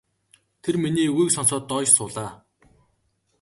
Тэр миний үгийг сонсоод доош суулаа.